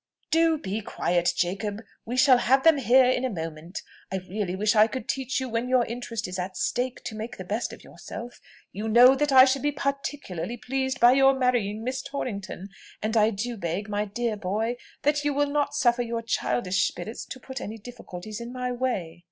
"Do be quiet, Jacob! we shall have them here in a moment; I really wish I could teach you when your interest is at stake to make the best of yourself. You know that I should be particularly pleased by your marrying Miss Torrington; and I do beg, my dear boy, that you will not suffer your childish spirits to put any difficulties in my way."